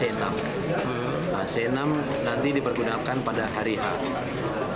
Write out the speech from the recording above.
c enam nanti dipergunakan pada hari hak